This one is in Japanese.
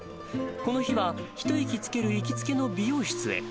この日は、一息つける行きつけの美容室へ。